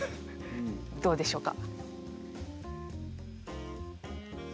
どうでしょうか？